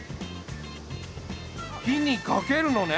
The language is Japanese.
火にかけるのね。